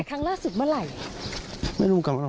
นางนาคะนี่คือยายน้องจีน่าคุณยายถ้าแท้เลย